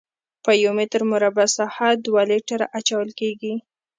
په یو متر مربع ساحه دوه لیټره اچول کیږي